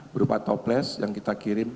berupa topless yang kita kirim